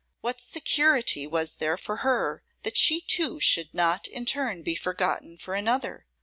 What security was there for her that she too should not in turn be forgotten for another?